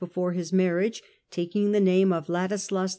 *^i386 before his marriage, taking the name of Ladislas V.